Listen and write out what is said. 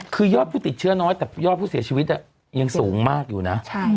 คือยอดผู้ติดเชื้อน้อยแต่ยอดผู้เสียชีวิตยังสูงมากอยู่นะ